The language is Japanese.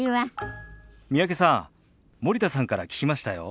三宅さん森田さんから聞きましたよ。